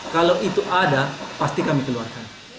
kalau itu ada pasti kami keluarkan